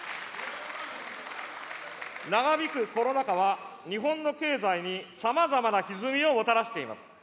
長引くコロナ禍は、日本の経済にさまざまなひずみをもたらしています。